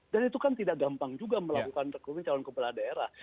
dan itu kan tidak gampang juga melakukan rekrutmen calon kepala daerah